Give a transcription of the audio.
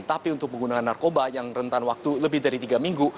tapi untuk menggunakan narkoba yang rentan waktu lebih dari tiga minggu